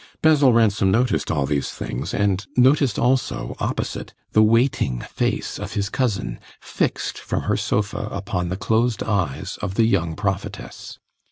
Basil Ransom noticed all these things, and noticed also, opposite, the waiting face of his cousin, fixed, from her sofa, upon the closed eyes of the young prophetess.